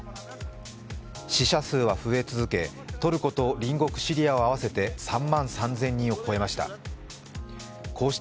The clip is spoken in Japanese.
死者数は増え続け、トルコと隣国・シリアを合わせて３万３０００人を超えました。